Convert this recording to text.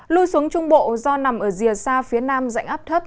lui xuống trung bộ do nằm ở rìa xa phía nam dạnh áp thấp